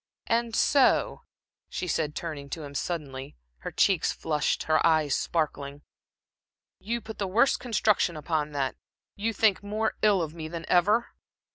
"And so," she said, turning to him suddenly, her cheeks flushed, her eyes sparkling "you you put the worst construction upon that, you think more ill of me than ever?"